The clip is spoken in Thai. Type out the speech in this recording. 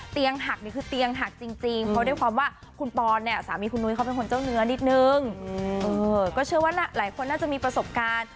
หักนี่คือเตียงหักจริงเพราะด้วยความว่าคุณปอนเนี่ยสามีคุณนุ้ยเขาเป็นคนเจ้าเนื้อนิดนึงก็เชื่อว่าหลายคนน่าจะมีประสบการณ์